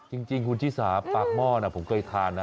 จริงคุณชิสาปากหม้อผมเคยทานนะ